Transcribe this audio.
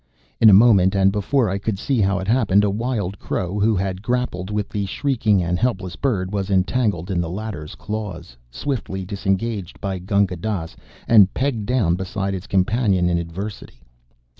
In a moment, and before I could see how it happened, a wild crow, who had grappled with the shrieking and helpless bird, was entangled in the latter's claws, swiftly disengaged by Gunga Dass, and pegged down beside its companion in adversity.